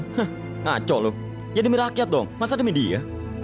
hah ngaco loh ya demi rakyat dong masa demi dia